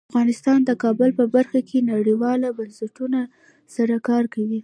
افغانستان د کابل په برخه کې نړیوالو بنسټونو سره کار کوي.